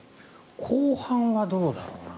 後半はどうだろうな。